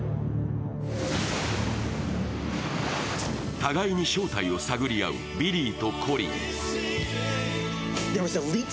互いに正体を探り合うビリーとコリン。